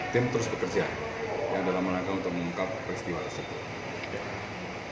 tim terus bekerja dalam rangka untuk mengungkap peristiwa tersebut